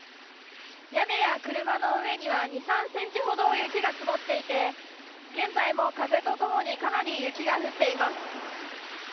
屋根や車の上には２、３センチほど雪が積もっていて、現在も風とともにかなり雪が降っています。